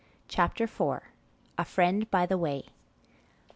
CHAPTER IV. A FRIEND BY THE WAY.